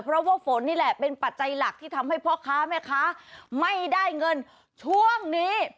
เพราะว่าฝนนี่แหละเป็นปัจจัยหลักที่ทำให้พ่อค้าแม่ค้าไม่ได้เงินช่วงนี้